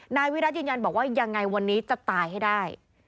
นายวิรัติยืนยันบอกว่ายังไงวันนี้จะตายให้ได้